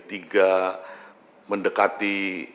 hingga mendekati tiga dua